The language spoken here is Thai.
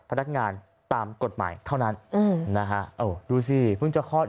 พนักงานตามกฎหมายเท่านั้นอืมนะฮะเออดูสิเพิ่งจะคลอด